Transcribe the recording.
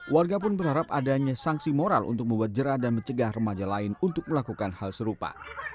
warga pun berharap adanya sanksi moral untuk membuat jerah dan mencegah remaja lain untuk melakukan hal serupa